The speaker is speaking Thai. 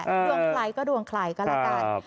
ดวงใครก็ดวงใครก็แล้วกัน